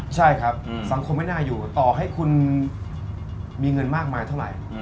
ใช่ครับสังคมไม่น่าอยู่ต่อให้คุณมีเงินมากมายเท่าไหร่